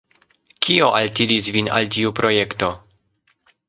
Kio altiris vin al tiu projekto?